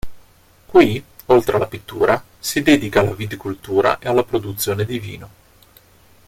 Qui, oltre alla pittura, si dedica alla viticoltura e alla produzione di vino.